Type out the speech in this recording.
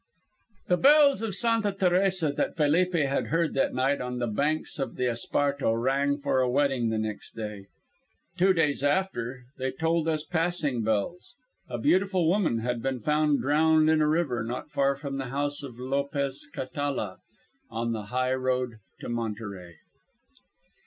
The bells of Santa Teresa that Felipe had heard that night on the blanks of the Esparto rang for a wedding the next day. Two days after they tolled as passing bells. A beautiful woman had been found drowned in a river not far from the house of Lopez Catala, on the high road to Monterey.